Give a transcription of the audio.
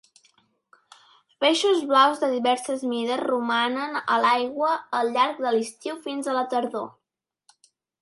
Peixos blaus de diverses mides romanen a l'aigua al llarg de l'estiu i fins a la tardor.